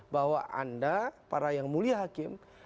bahwa anda para yang mulia hakim